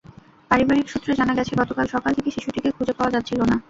পারিবারিক সূত্রে জানা গেছে, গতকাল সকাল থেকে শিশুটিকে খুঁজে পাওয়া যাচ্ছিল না।